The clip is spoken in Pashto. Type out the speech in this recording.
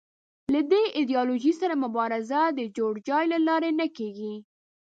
له دې ایدیالوژۍ سره مبارزه د جوړ جاړي له لارې نه کېږي